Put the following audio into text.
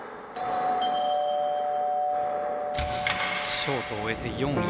ショートを終えて４位。